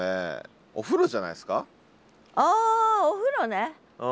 あお風呂ね。